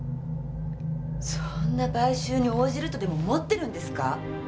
そんな買収に応じるとでも思ってるんですか！？